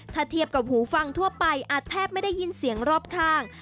ถ้าเทียบกับหูฟังทั่วไปอาจแทบไม่ได้ยินเสียงรอบข้าง